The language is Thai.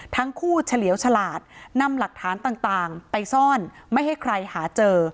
ทั้งคู่เฉลี่ยวฉลาดนำหลักฐานต่างไปซ่อนไม่ให้ใครหาเจอ